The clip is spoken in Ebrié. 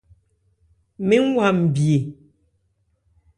Mɛ́n wa nbye.